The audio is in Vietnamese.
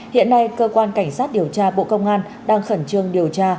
hiện nay cơ quan cảnh sát điều tra bộ công an đang khẩn trương điều tra